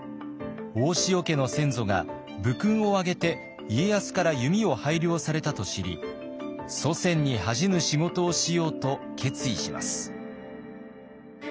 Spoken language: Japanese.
大塩家の先祖が武勲をあげて家康から弓を拝領されたと知り祖先に恥じぬ仕事をしようと決意します。